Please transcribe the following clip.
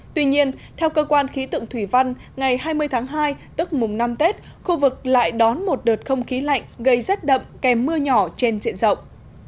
tuy nhiên theo cơ quan khí tượng thủy văn ngày hai mươi tháng hai tức mùng năm tết khu vực lại đón một đợt không khí lạnh gây rét đậm kèm mưa nhỏ trên diện rộng